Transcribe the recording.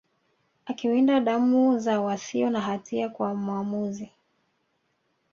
akiwinda damu za wasio na hatia kwa mwamuzi